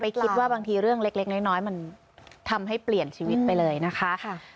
คิดว่าบางทีเรื่องเล็กน้อยมันทำให้เปลี่ยนชีวิตไปเลยนะคะ